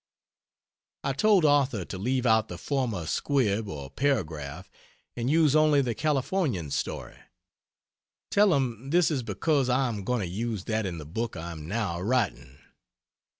I told Arthur to leave out the former squib or paragraph and use only the Californian's Story. Tell him this is because I am going to use that in the book I am now writing.